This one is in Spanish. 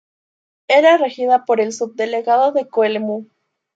Era regida por el Subdelegado de Coelemu.